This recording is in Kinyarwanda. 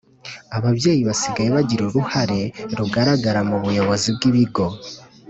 Ababyeyi basigaye bagira uruhare rugaragara mu buyobozi bw ibigo